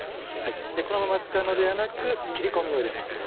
このまま使うのではなく切り込みを入れます。